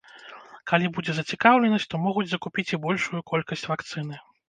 Калі будзе зацікаўленасць, то могуць закупіць і большую колькасць вакцыны.